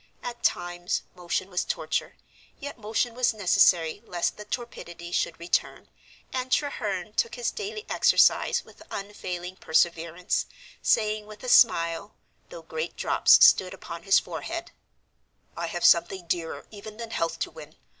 At times motion was torture, yet motion was necessary lest the torpidity should return, and Treherne took his daily exercise with unfailing perseverance, saying with a smile, though great drops stood upon his forehead, "I have something dearer even than health to win.